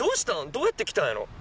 どうやって来たんやろ？